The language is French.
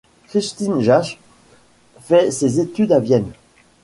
Christine Jasch fait ses études à Vienne.